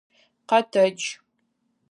Къэтэдж!